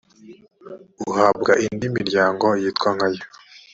uhabwa indi miryango yitwa nkayo